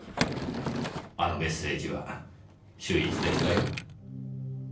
あのメッセージは秀逸でしたよ。